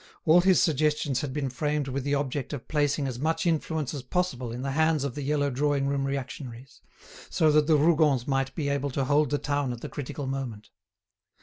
All his suggestions had been framed with the object of placing as much influence as possible in the hands of the yellow drawing room reactionaries, so that the Rougons might be able to hold the town at the critical moment.